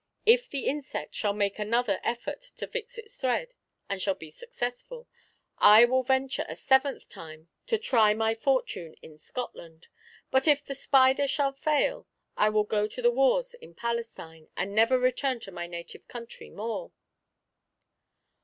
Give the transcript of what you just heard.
If the insect shall make another effort to fix its thread, and shall be successful, I will venture a seventh time to try my fortune in Scotland; but if the spider shall fail, I will go to the wars in Palestine, and never return to my native country more."